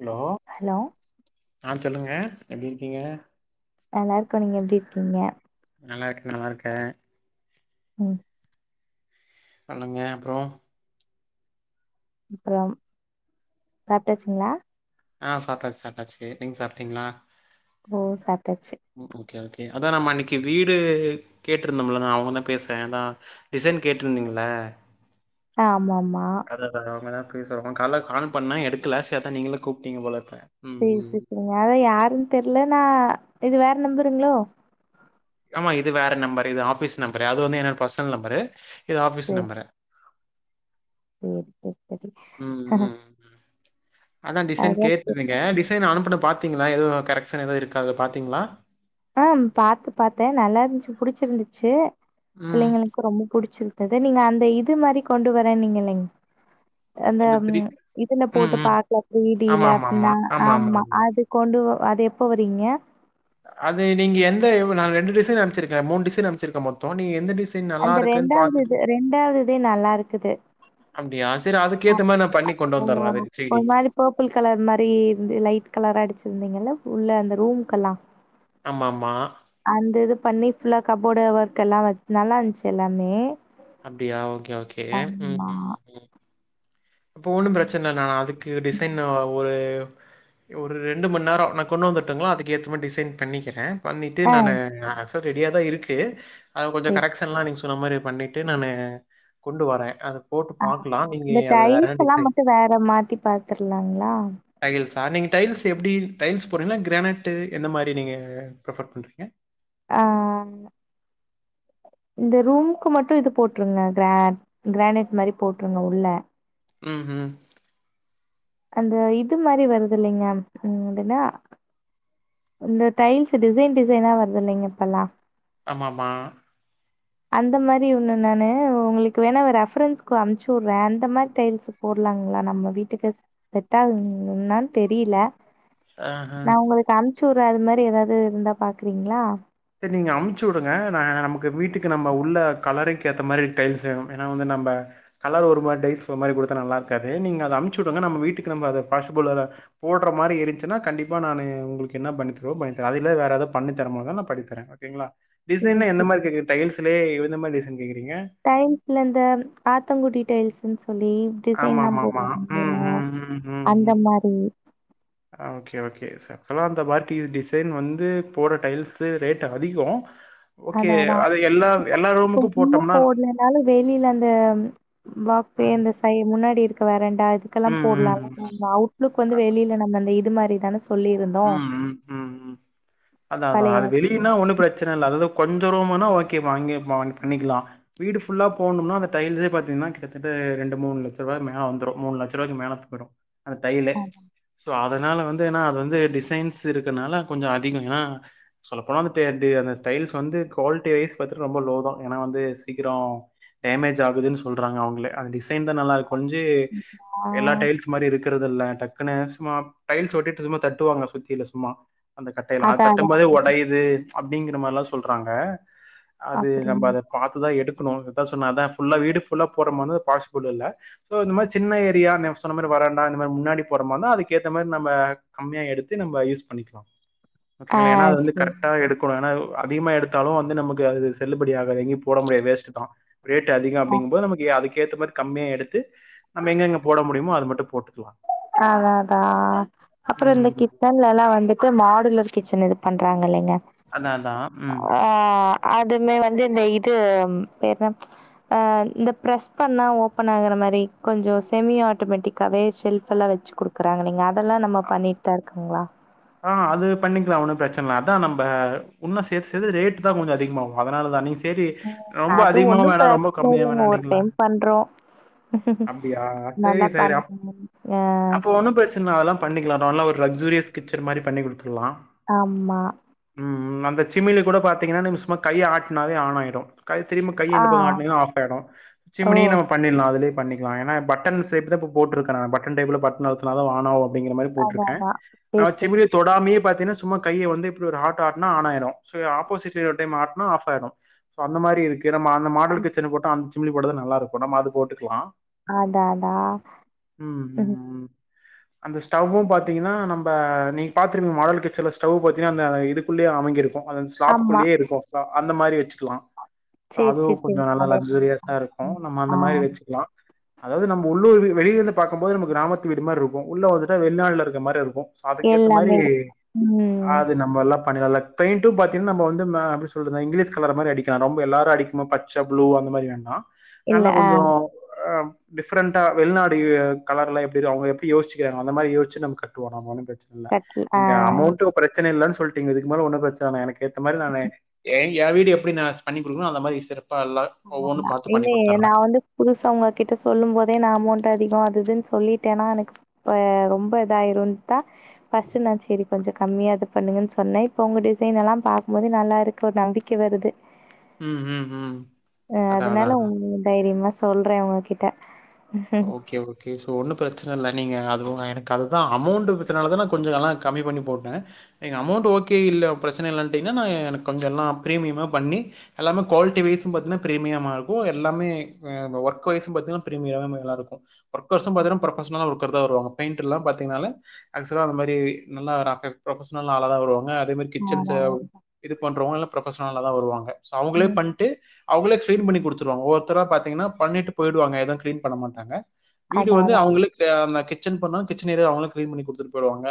Hello hello ஆன் சொல்லுங்க எப்டி இருக்கீங்க நல்லாருக்கோ நீங்க எப்டி இருக்கீங்க நல்லாருக்கே நல்லாருக்கே ம் சொல்லுங்க அப்றோ அப்புறம் சாப்டாச்சுங்ளா ஆ சாப்டாச்சு சாப்டாச்சு நீங்க சாப்ட்டீங்ளா ஓ சாப்டாச்சு ஓகே ஓகே அதா நம்ம அன்னக்கி வீடு கேட்ருந்தோம்ல நா அவுங்க தா பேசுறே அதா டிசைன் கேட்ருந்தீங்கள்ள ஆமாமா [unintelligible] கால்ல கால் பண்ணா எடுக்கல சேர்தா நீங்களெ கூப் டீங்க போலப்ப சேரி செ செரிங்க அதா யா ருன் தெர்ல நா இது வேற நம்பருங்ளோ ஆமா இது வேற நம்பரு இது ஆஃபிஸ் நம்பரு அது வந்து என்னோட பர்ஸ்னல் நம்பரு இது ஆஃபீஸ் நம்பரு உம் ம் ம் [unintelligible] ம் அதா டிசன் கேட்டுர்ந்திங்க டிஸ் து நா அனுப்புன பாத்திங்கள்ள எது கரெக்ஸன் எது இருக்கா அது பாத்தீங்களா ஆ பாத்து பாத்தே நல்லாருந்துச்சு புடுச்சுருந்துச்சு ம் பிள்ளைங்களுக்கு ரொம்ப புடுச்சிருக் அதா நீங்க அந்த இது மாரி கொண்டு வர நீங்கல்லைங் அந்த இதுல ம், போட்டு ம். பாக்கலா பிரீடில அப்படின்னா ஆமா அது கொண்டு அது எப்போ வர்ரீங்க அது நீங்க எந்த நா ரெண்டு டீசைன் அனுப்சிருக்க மூணு டிசைன் அனுப்சிருக்க மொத்தோ நீ எந்த டிசைன் நல்லா அந்த இருக்குன்னு ரெண்டாவது பார்த்துட்டு இது ரெண்டாவதுஇது நல்லா இருக்குது அப்படியா ஒரு மாரி பர்ப்பிள் கலர் மாரி லைட் கலரா அடிச்சிருந்தீங்கல்ல உள்ள அந்த ரூம்கல்லா ஆமாமா பண்ணி ஃபுல்லா கபோர்டு ஒர்க் எல்லா வெ நல்லா இருந்ச்சு எல்லாமே அப்படியா ஓகே ஓகே ம் ஆமா. ம் ம் அப்ப ஒண்ணும் பிரச்சன இல்ல நா அதுக் ஓகே டிசைன் ஒரு ஒரு ரெண்டு மண் நேரோ நா கொண்டு வந்துருட்டுங்களா அதுக்கு ஏத்த மாரி டிசைன் பண்ணிக்கிற பண்ணிட்டு ஆ நானு ஆல்சோ ரெடியாதா இருக்கு ஓகே அது கொஞ்சோ சரி. கரெக்சன் எல்லா நீங் சொ சொன்ன மாரி பண்ணிட்டு நா கொண்டுவார அது ஆமா இந்த டைல்ஸ் ல்லா மட்டு வேற மாத்தி பாத்திர்லாங்ளா சார் நீங்க டைல்ஸ் எப்படி டைல்ஸ் போடுறீங்கலா கிரானைட்டு எந்த மாரி நீங்க ப்ரிஃபர் பண்றீங்க ஆஹ் இந்த ரூம்கு மட்டு இது போட்டுருங்க கிரா கிரானைட் மாரி போட்டுருங்க உள்ள உம் ஹூம் அந்த இது மாரி வருது இல்லைங்க ம் அதென்ன இந்த டைல்ஸ் டிசைன் டிசைனா வருது இல்லைங்க இப்பெல்லா ஆமாமா அந்த மாரி ஒண்ணு நானு உங்களுக்கு வேணா ரெஃபரன்ஸ்க்கு அனுப்ச்சு விடுற அந்த மாரி டைல்ஸ் போடலாங்ளா நம்ம வீட்டுக்கு செட்டாகுமான்னு தெரியல எஹூ ப்ச்சுவிடுற அது மாரி எதாவது இருந்தா பாக்கறீங்ளா சரி நீங்க அனுப்ச்சு விடுங்க நா நமக்கு வீட்டுக்கு நம்ம உள்ள கலருக்கு ஏத்த மாரி டைல்ஸ் வேணும் ஏனா வந்து நம்ம கலர் ஒரு மாரி டைல்ஸ் ஒரு மாரி குடுத்தா நல்லாருக்காது நீங்க அத அனுப்ச்சு விடுங்க நாம வீட்டுக்கு நம்ம அத பாசிபில் போடற மாரி இருக்குனா கண்டிப்பா நானு உங்களுக்கு என்ன பண்ணித்தரவோ பண்ணித்தர அதுல வேற எதாவது பண்ணித்தர முடிஞ்சாலு பண்ணித்தர த்தர ஓகேங்ளா ம். டிசைன்ல எந்த சரி. மாரி கேக்கறீங் டைல்ஸ் ப்லே எந்த மாரி டிசைன் கே டைல்ஸ்ல இந்த ஆத்தங்குடி டைல்ஸ்னு சொல்லி டிசைன் எல்லா ஆமாமாமா. போடுறோம்ல்ல ம், ம், ம், ம், அந்த ம். மாரி ஆ ஓகே ஓகே ஆக்சுவலா அந்த பார்ட்டி டிசைன் வந்து போட டைல்ஸ் ரேட் அதிகோ ஓகே அதா அதா அது எல்லா எல்லா ரூமுக்கும் சும்மா போட்டோம்னா போனேனாலே வெளில அந்த பஃப்வே ம். அந்த சை முன்னாடி இருக் வரன் நா இதுக்கெல்லா ம், போடல ம், ம். [inaudible] அவுட்லுக் வந்து அ வெளில நம்ம இந்த இது இது மாரி தான சொல்லியிருந்தோ ம் ம் ம் ம் அதா அதா பழைய அது வெளியன்னா ஒண்ணு பிரச்சன இல்ல அததா கொஞ்சோ ரூம்ன்னா ஓகே மா இங்கயே வாங்கி பண்ணிக்கலா வீடு ஃபுல்லா போடனும்னா அந்த டைல்ஸே பாத்தீங்கன்னா கிட்டதட்ட ரெண்டு மூணு லட்ச ரூவாக்கு மேல வந்துரு மூணு லட்ச ரூவாக்கு மேல போயிடு அந்த டைலு சோ அதனால வந்து ஏன்னா அது வந்து டிசைன்ஸ் இருக்கனால கொஞ்சோ அதிகோ ஏன்னா சொல்ல போன அந்த டே டே அந்த டைல்ஸ் வந்து குவாலிட்டி வைஸ் பாத்தா ரொம்ப லோ தா ஏன்னா வந்து சீக்கிரோ டேமேஜ் ஆகுதுன்னு சொல்றாங்க அவுங்களே அந்த டிசைன் தா நல்லா இருக்கொஞ்சி எல்லா ஆ டைல்ஸ் மாரி இருக் நிக்கிறது இல்ல டக்குனு சும்மா டைல்ஸ் ஒட்டிட்டு இருக்கும்போது தட்டுவாங்க சும் சுத்தில சும்மா அந்த கட்டை எல்லா அது அதா அதா தட்டும்போதே ஒடையிது அப்டிங்கிற மாரிலா சொல்றாங்க அது நம்ம அப்டிங்களா அத பாத்துதா எடுக் குணூ அதா சொன்ன அதா ஃபுல்லா வீடு ஃபுல்லா போட்றமாந்தா பாஸ்பிள் இல்ல சோ இந் மார் சின்ன ஏரியா நே சொன்ன மாரி வராண்டா இந்த மாரி முன்னாடி போட்றமார்னா அதுக்கேத்த மாரி நம்ம கம்மியா எடுத் த்து நம்ப யூஸ் பண்ணிக்கலா ஆ ஓகேங்களா ஏனா அது வந்து சேரிக்கா கரெக்ட்டா எடுக்கோனு ஏனா ஒ அதிகமா எடுத்தாலு வந்து நமக்கு அது செல்லுபடி ஆகாது எங்கயு போடவு முடியாது வேஸ்ட்டு தா ரேட் அதிகோ அப்டிங்கும்போது நமக்கு அதுக்கு கேத்த மார் கம்மியா எடுத்து நம்ம எங்கெங்க போட முடியுமோ அது மட் டு போட்டுக்கலா தேவ தா அப்பறோ இந்த ம் கிட் பா உள்ளல்லா வந்துட்டு மாடுலர் கிச்சன் இது பண்றாங்கில்லைங்க அதா அதா ம் ம் அதுமே வந்து இந்த இது பேர் என்ன அ இந்த ப்ரஸ் பண்ணா ஓப்பன் ஆகற மாரி கொஞ்சோ செமி ஆட்டோமெட்டிக்காவே செல்ஃப் ப்பல்லா வெச்சு குடுக்கறாங்கில்லீங்க அ இதெல்லா நம்ம பண்ணீட் தா இரு குங்ளா அ அது பண்ணிக்லா ஒன்னு ப்ரச்ன்ல அதா நம்ப உன்னு சேத் சேத்து ரேட் தா கொஞ்சோ அதிகமாவு அதனாலதா நீங்க சேரி ஓ ரொம்ப அது ஒன்னு அதிகமாவும் வேணாம் ரொம்ப பிரச்சன கம்மியாவும் இல்லீங்க ஒரு வேணாம்னீங்களா டைம் பண்றோ அப்டியா சேரி நல்லா சேரி பண் அப் [inaudible] ஆ பண்ணிக்கலா அ நல்ல ஒரு லக்ஸுரீஸ் கிக்குர் மாரி பண்ணி குடுத்துட்லா ஆம்மா அந்த சிமியில் கூட பாத்தீங்கன்னா ந சும்மா கை ஆட்டினாவே ஆன் ஆகிடும் கை திரும்ப கை ஆ இந்த பக்கம் ஆட்டினா ஆஃப் ஆகிடும் ஓ சிமினி நம்ம பண்ணிடலாம் அதுல பண்ணிக்கலாம் என பட்டன் சேப் போட்டு இருக்கான் பட்டன் டைல பட்டன அழுதனாலும் ஆன் ஆகும் அப்டிங்கிற மாரி அதா போட்ருகேன் அதா சேரி சிமிலி சேரி தொடாமையே பாத்தீங்கன்னா சும்மா கையை வந்து கைய வந்து இபடி ஆட்டுனா ஆன் ஆயிரும் சோ ஆபேசிடா [inaudible] ஆப் ஆயிடும் அந்த மாரி இருக்கு [inaudible] அந்த மாடல் கிச்சுனா போட்ட அந்த [inaudible] போட்டா நல்லா இருக்கும் நம்ம அது போட்டுக்கலாம் அதான் அதா ம் அந்த ஸ்டவ்வும் பாத்தீங்கன்னா நம் இப்ப நீங்க பாத்துருப்பீங்க மாடல் கச்சில ஸ்டவ் பாத்திங்கா அந்த இதுக்குள்ளயே அமிங்கிருக்கும் அதன் ஆமா. ஸ்லாப்புக்குள்ளேயே இருக்கும் ஆ அந்த மாரி வச்சுக்கலாம் சரி, சரி, அதுவும் சரி. கொஞ்சம் நல்ல அதே மாரி. லக்சுரியஸா இருக்கும் ம். நம்ம அந்த ஆ. மாரி வச்சுக்கலாம் அதாவது நம்ம உள்ளூர் வெளில இருந்து பாக்குபோது கிராமத்து வீடு மாரி இருக்கும் உள்ள வந்துட்டு வெளிநாடுல இருக்கிற மாரி இருக்கும் சோ அதுகேத்த மாறி எல்லாமே இருக்கும். ம். அது நம்ம எல்லாம் பணிகள்லா பெயிட் டும் பாத்தீங்கா நம்ம வந்து அப்டி சொறது இங்கிலீஷ் கலர மாரி அடிக்காம் ரொம்ப எல்லாரும் அடிக்குமா பச்ச புளு அந்த மாரி வேண்டாம் இல்ல. நல்ல ஆ. கொஞ்சம் அ டிஃப்ரண்டா வெளிநாடு கலர்ல எப்டி அவங்கப்படி யோசிக்கிறாங்க அந்த மாரி யேச்சு நம்ம கட்டுவோம் பிரச்சனை இல கட்ல் ஆ நீங்க அமௌண்ட் பிரச்சனை இல சொல்லிங்க இதுக்கு மேல ஒன்னும் பிரச்சன எனக்கு மாதி ந வீடு எப்ப பண்ணி கொடுக்க அந்த மாரி சிற [inaudible] [inaudible] நான் வந்து புதுச உங்க கிட்ட சொல்லும் போதே நான் அமௌண்ட் அதிகம் இதுன்னு சொல்லிட்னா எனக்கு இப்ப ரொம்ப இதாயிரும் தான் ஃபர்ஸ்ட் நான் சரி கொஞ்சம் கம்மியா இது பண்ணுங்கன்னு சொன்னேன் இப்ப உங்க டிசைன் எல்லாம் பாகக்கும் போது நல்லா இருக்கு ஒரு நம்பிக்கை வருது ம் ம் ம் அ அதா அதா அதனால அதா உங்க தைரியமா சொல்றேன் உங்ககிட்ட ஓகே ஓகே சோ ஒண்ணு பிரச்சன பிர இல்ல நீங்க அது எனக்கு அதுதான் அமௌண்ட் பிரச்சனால தான் நான் கொஞ்சம் எல்லாம் கம்மி பண்ணி போட்டேன் நீங்க அமௌண்ட் ஓகே இல்ல பிரச்சன இல்லட்டீங்கன்னா நான் எனக்கு கொஞ்சம் எல்லாம் ப்ரீமியமாக பண்ணி எல்லாமே குவாலிட்டி வைஸ்ம் பாத்தீங்கனா ப்ரமியமாக இருக்கும் எல்லே ஒர்க் வயஸ்ம் பாத்தீங்கன்னா ப்ரீமியமாக [unintelligible] ஒர்க்கர்ஸ் பாதிங்கனா உங்களுக்கு ப்ரோபெஷனல் ஒர்க்கர்ஸ் தா வருவாங்க பெயிண்டர் லாம் பாதிங்கனாலே ஆக்சுவலா இந்த மாரி நல்லா ஒரு ப்ரோபெஷனல் ஆலா தா வருவாங்க உங்க கிச்சன்ச்ச அதான் அதான். இது பண்றோ [unintelligible] பர்சனலாதா வருவாங்க சோ அவங்களே ம். பண்ட்டு அவங்களே கிளின் பண்ணி கொடுவங்க ஒவொருத்தரா பாத்தங்கன்னா பண்ணிட்டு போயடுவாங்க ஏதும் கிளின் பண்ண மாட்டாங்க வீடு அதான் வந்து அதான். அவங்களுக் [unintelligible] கிச்சன் பண்ணா கிச்சன் ஏரியா அவங்களே கிளீன் பண்ணி குடுத்துட் போய்டுவாங்க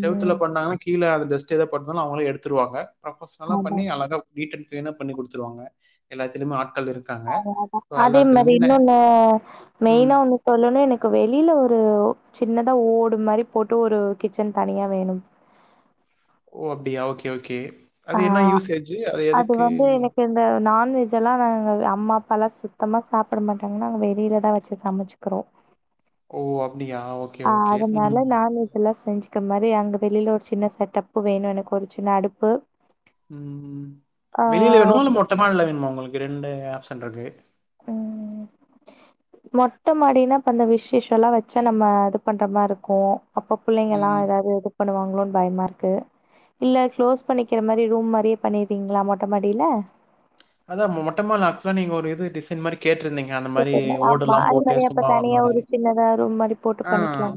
செவுத்துல பண்ணாங்கனா கீழ அது டஸ்ட் எதா பட்டுதுனாலு அவங்களே எடுத்துருவாங்க ப்ரொஃபஷனலா அதான். பண்ணி அழகா நீட்டா கீளினா பண்ணி குடுத்துருவாங்க எல்லாத்திலுமே அத அத அதே மாதிரி இன்னொன்னு ம். மெயினா ஒன்னு சொல்லனு எனக்கு வெளியில ஒரு சின்னதா ஓடு இது மாரி போட்டு ஒரு கிச்சன் தனியா வேணும் ஓ அப்படியா ஓகே ஓகே ஆ அது என்ன யூசேஜு அது எதுக்கு உங்களுக் நான் வெஜ் எல்லா நாங்க அம்மா அப்பா எல்லா சுத்தமா சாப்பிட இதெல்லாம் அம்மா அப்பா சுத்தமா சாப்பிட மாட்டாங்கன்னா நாங்க வெளியில தான் வச்சு சமைச்சுக்கிறோ ஓ அப் ஆ அதனால நான் வெஜ் எல்லா செஞ்சு இருக்க மாரி அங்க வெளியில ஒரு சின்ன செட்டப்பு வேணு எனக்கு ஒரு சின்ன அடுப்பு ம்ம் ஆ வெளியில வேணுமா இல்ல மொட்டைமாடில வேணுமா உங்களுக்கு இங்கே ரெண்டு ஆப்சென் இருக்கு ம் மொட்ட மாடினா இப்ப அந்த விசேஷோ எல்லா வச்சா நம்ம அது பண்ற மாரி இருக்கு அப்ப பிள்ளைங்க எல்லா ம். ஏதாவது இது பண்ணுவாங்களோன்னு பயமா இருக்கு இல்ல க்ளோஸ் பண்ணிக்கிற மாரி ரூம் மாரியே பண்ணிரீங்களா மொட்ட மாடியில அதான் மொட்டமாடில ஆக்சுவலா நீங்க ஒரு இது டிசைன் மாரி கேட்டுருந்தீங்க அந்த மாரி ஆமா. ஓடெல்லாம் அது போட்டு மாரி அப்ப சும்மா வர தனியா மாதிரி ஒரு சின்னதா ரூம் மாரி போட்டு ஆ பண்ணிக்கலாம்.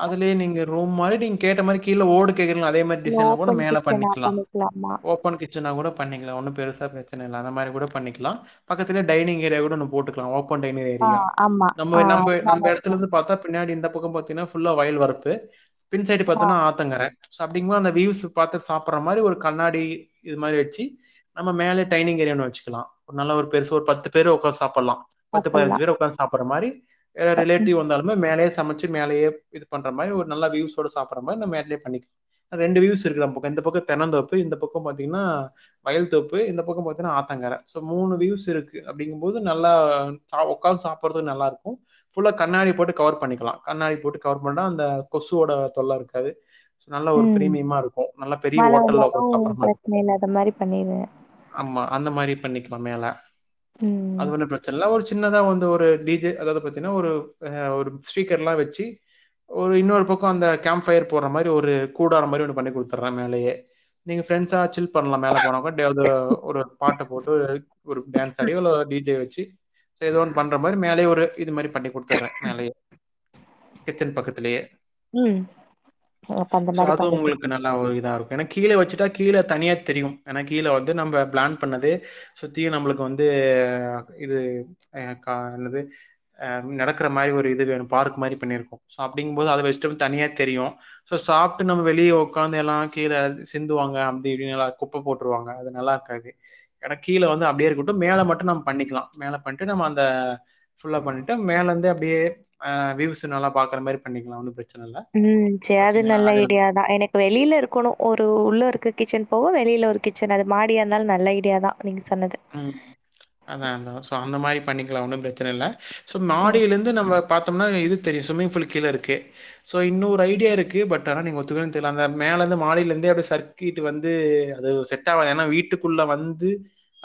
ஆ அதுலயே நீங்க ரூம் மாரி நீங்க கேட்ட மாரி கீழ ஓடு கேக்கறிங்கள அதே மாரி இல்ல டிசைன்ல கூட ஓப்பன் மேல கிச்சனா பண்ணிக்கலா பண்ணிக்கலாமா? ஓபன் கிச்சனா கூட பண்ணிக்கலா ஒண்ணு பெருசா ப்ரச் சன இல்ல அந்த மாிரி கூட பண்ணிக்கலா பக்கத்துலயே டைனிங் ஏரியா கூட ஒன்னு போட்டுக்லா ஓப் பன் டைனிங் ஆ ஏரியா ஆமா. நம்ம ஆ நம் அது நம்ப நல்லதுதான். எடத்தலருந்து பாத்தா பின்னாடி இந்த இந்த பக்கம் பாத்தினா ஃபுல்லா வயல் வரப்பு பின் சைடு ஆ பாத்தோனா ஆத்தங்கர அப்படிங்போ அந்த வியூஸ் பாத்து சாப்படற மாரி ஒரு கண்ணாடி இது மாரி வெச்சு நம்ம மேல டைனிங் ஏரியானு வெச்சுக்கலா ஒரு நல்ல ஒரு பெருசா ஒரு பத்து பேரு உக்காந்து சாப்பட்லா பத்து பதனஞ்சு அப்பல்லாம். பேரு உக்காந்து சாப்படுற மாரி ம். ரிலேட்டிவ் வந்தாலுமே மேலயே சமைச்சு மேலயே இது பண்ற மாரி ஒரு நல்ல வியூஸோட சாப்பட்ற மாரி நம்ப மேட்லயே பண்ணிக்கலா ரெண்டு வியூஸ் இருக்கு பக்கோ இந்த பக்கோ தென்னந்தோப்பு இந்த பக்கம் பாத்திங்கனா வயல் தோப்பு இந்த இந்த பக்கம் பாத்தினா ஆத்தங்கரை சோ மூணு வியூஸ் இருக்கு அப்டிங்கும்போது நல்லா சா உக்காந்து சாப்படறதுக்கு நல்லாருக்கு ஃபுல்லா கண்ணாடி போட்டு கவர் பண்ணிக்கலா கண்ணாடி போட்டு கவர் பண்ணா அந்த கொசுவோட தொல்ல இருக்காது ஸோ நல்ல ஒரு ம் பிரீமியமா இருக்கும் நல்ல பெரிய மழ ஹோட்டல்ல வந்தாலு உட்காந்து சாப்பிட்ற மாதிரி இருக்கும் ஓபன் இல்லாத மாரி பண்ணிரு ஆமா அந்த மாரி பண்ணிக்கலா மேல ம். அதொண்ணு பிரச்னை இல்ல ஒரு சின்னதா வந்து ஒரு டீஜே அதாவது பாத்தீனா ஒரு ஒரு ஸ்பீக்கர்லா வச்சு ஒரு இன்னொரு பக்கம் அந்த கேம்பயர் போற மாரி ஒரு கூடாற மாரி ஒன்னு பண்ணி குடுத்தற மேலயே, நீங்க ப்ரண்ட்ஸா சில் பண்லா மேல போன இந்த ஒரு பாட்டு போட்டு ஒரு டான்ஸ் ஆடி இல டீஜே வச்சு ஏதோ ஒன்னு பண்ற மாரி மேலயே ஒரு இது மாரி பண்ணி குடு த்ர மேலய கிச்சன் பக்கத்லயே உம் அப்ப அந்த மாரி பண்ணிக்ற எனக் கீழ வச்சிட்டா கீழ தனியாத்தெரியும் ஏனா கீழ வ து நம பிளான் பண்ணது சுத்தியும் நம்ளுக்கு வந்து இது கா என்னது அம் நடக்ற மாரி ஒரு இது வேணும் பார்க் மாறி பன்னிருக்கோம். சோ அப்டிங்கும் போது அத வச்சிட்டு தனியா தெரியும், சோ சாப்டு நம வெளிய உக்காந்து எல்லா கீழ சிந்துவாங்க அப்டி இப்டிலா குப்ப போட்ருவாங்க அத நலாருக்காது, ஏனா கீழ வந்து அப்டியே இருக்கட்டும், மேல மட்டும் நம்ம பண்ணிக்லா மேல பண்ட்டு நம்ம அந்த புல்லா பண்ணிட்டு மேலந்து அப்டியே வீவ்ஸ் நல்லா பாக்ற மாரி பண்ணிக்லாம் ஒன்னு பிரச்ச ம் சரி அது நல்ல ஐடியாதா, எனக்கு வெளில இருக்கணும் ஒரு உள்ள இருக்க கிச்சன் போக வெளில ஒரு கிச் சரி அது மாடியா இருந்தாலும் நல்ல ஐடியாதா உஹம் அதான் அதான் சோ அந்த மாரி பண்ணி க்கலா ஒன்னும் பிரச்சனல சோ ம். மாடிலருந்து நம பாத்தோம்னா இது தெரியும் ஸ்விமிங் பூல் கீழருக்கு, சோ இன்னொரு ஐடியாருக்கு, பட் ஆனா நீங்க ஒத்துக்விங்லானு தெரில, அந்த மேல இருந்து மாடில இருந்தே அப்டி சர்கிட்டு வந்து அது செட் ஆவாது ஏனா வீட்டுக்குள்ள வந்து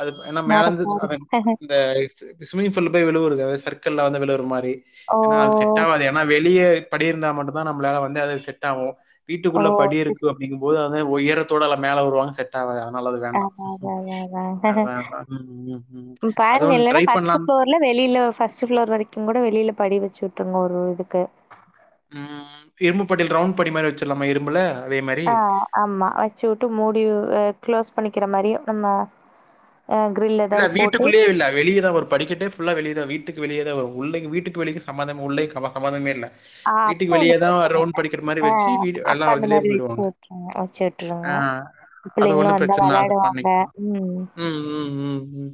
அது ஏனா வேற மேலந்து அ அ பாருங்க. அந்த இஸ் ஷ்விம்மிங் பூல்ல போயி விழுவுறது சர்க்குல்ல வந்து விழுற மாரி ஓ! ஏனா அது செட் ஆவாது ஏனா வெளிய படி இருந்தா மட்டுந்தா நம்மளால வந்து அது செட்டாகும் ஓ! வீட்டுக்குள்ள படி சரி, இருக்கு சரி. அப்டிங்கும் போது உயரத்தோட அலா மேல வருவாங்க செட் ஆவா நல்லது வேண்டா அதான், அதான், அதான், அது பாருங்க ஒண்ணு இல்லனா ட்ரை பஸ்ட் பண்ணலாம். ப்ளோர்ல வெளில பஸ்ட் ப்ளோர் வரைக்கும் கூட வெளில படி வச்சு விட் விட்றுங்க ஒரு இதுக்கு உம் இரும்புப்படில ரவுண்ட் படி மாரி வச்சிட்லாமா இரும்புல அதே மாரி. ஆஹ் ஆமா வச்சுவுட்டு மூடியு க்ளோஸ் பண்ணிக்ற மாரியு அம்மா இல்ல வீட்டுகுள்ளியே இல்ல வெளியதா வரும். படிக்கட்டே புல்லா வெளியதா வீட்டுக் வெளியதா வரும் உள்ள வீட்டுக்கு வெளிய சம்மதம் உள்ளே சம சம்மதமேல ஆஹ் அப்ப ஒண்ணும் பிரச்சன இல்ல, வச்சு ஆஹ் வீடு அப்ப எல்லாம் அந்த அதிலயே மாதிரி போயிடுவாங்க. போட்ருங்க வச்சு விட்ருங்க, ஆ அது பிள்ளைங்களும் ஒண்ணும் வந்தா பிரச்சனை விளையாடுவாங்க உம் உம் உம்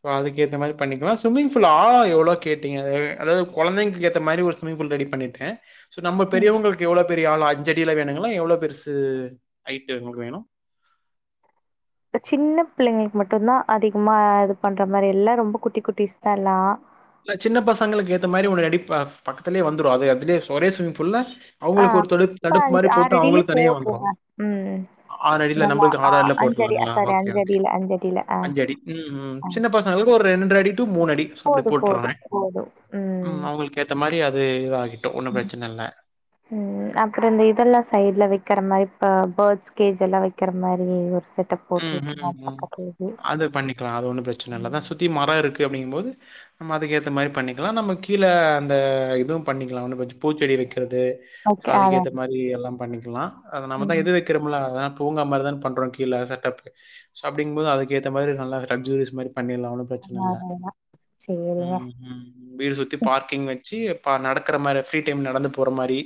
சோ அதுக்கேத்த மாரி பண்ணிக்கலா ஸ்விம்மிங்ஃபூல்ல ஆழோ எவ்ளோ கேட்டீங்க அதாவ்து கொழந்தைங்கேத்த மாரி ஒரு ஸ்விமிங்ஃபூல் ரெடி பண்ணிட்டே சோ நம்ம ம். பெரியவங்களுக்கு எவ்ளோ பெரிய ஆளா அஞ்சடில வேணுங்களா எவ்ளோ பெருசு ஐட்டு உங்களுக்கு வேணு சின்ன பிள்ளைங்ளுக் மட்டுந்தா அதிகமா ஆட் பண்ற மாரி எல்லா ரொம்ப குட்டி குட்டிஸ் தா எல்லா ல சின்ன பசங்களுக்கேத்த மாரி ஒன்னு ரெடிப் ப பக்கத்துலே வந்துரு அது அதுலே ஒரே சொரேஷன் ஃபுல்லா ஆ அவங்களுக்கு ஒரு தொடுப் அப்ப தடுப் அஞ்சு மாரி ஆறு போட்டா அடியில அவுங்களுக் தனியா வந்துரு போட்ருங்க ம் அ ஆறடில நல்லா நம்மள்க்கு ஆ ஆறர்ல்ல அஞ்சடி போட்டுர்லாங்ளா சாரி ஓகே ஓகே அஞ்சடியில அஞ்சடியில ஆ அஞ்சடி ம் ம் ஆ சின்ன பசங்களுக்கு ஒரு ரென்றடி டூ மூணடி சோ அப்டி போது போது ம் ஏற்ற மாதிரி அது இதாகிட்டோம் ஒன்றும் ம் பிரச்சனை இல்லை ம் அப்றோ இந்த இதெல்லா சைட்ல வெக்கற மாரி அ பேட்ஸ் கேஜ் எல்லா வெக்கற மாரி ஒரு செட்டப் போட்டு ம் விட்ருங்க ம் அது ம் பக்கத்துலயே அது பண்ணிக்லா அது ஒன்னு ப்ரச்சனல்ல அதா சுத்தி மரோ இருக் டு அப்டிங்கும்போது நம்ம அதுக்கேத்த மாரி பண்ணிக்கலா நம்ம கீழ அந்த இதுவு பண்ணிக்கலா ஒன்னு பிரச்ச பூச்செடி வெக்க ட்றது சோ ஓகே அதா அதுக்கேத்த மாரி எல்லா பண்ணிக்கலா அத நம்ம தா ம் எது வெக்கறமுல்ல அதலாப் பூங்கா மாரி தான பண்றோ கீழ ஏ சார் தப்ட் சோ அப்டிங் போது அதுக்கேத்த மாரி நல்லா கன்ஃபியூஸ் மாரி பண்ணிர்லா ஒன்னு ப்ரெச்சன இல்ல அதேதா சேரிங்க ம் ம் வீடு சுத்தி பார்க்கிங் வெ ச்சி ப நடக்கற மாரி ஃப்ரீ டைம் நடந்து போற மாரி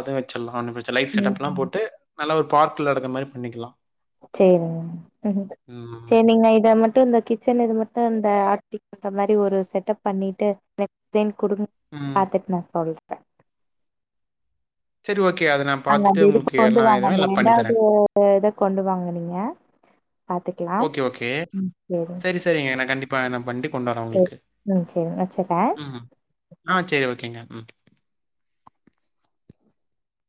அது வச்சர்லா ஒன்னு வெச் சோ லைட் ம் செட்டப்லா போட்டு நல்லா ஒரு பார்க்ல நடக்ற மாரி பண்ணிக்கலா சேரிங்க ம், சேரி நீங்க இத மட்டு இந்த கிச்சன் இது மட்டு இந்த டி பண்ற மாரி ஒரு செட்டப் பண்ணிட்டு [inaudible] குடுங் ம். பாத்துட் நா சொல் செரி ஓ அங்க அந்த இதுக்கு கொண்டு வாங்க அந்த பண்ணி ரெண்டாவ்து தரேன். இத கொண்டு வாங்க நீங்க பாத்துக்கலாம் ஓகே ஓகே ம் சேரிங்க செரி செரிங்க நா கண்டிப் ப நம் வந்ட்டு கொண்டாரே சேரி உங்களுக்கு ம் சேரிங்க வச்சுறே ம் ம் ஆ சேரி ஓ கீங்க ம்